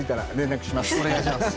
お願いします。